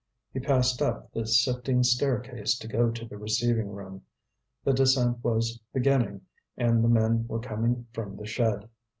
He passed up the sifting staircase to go to the receiving room. The descent was beginning, and the men were coming from the shed.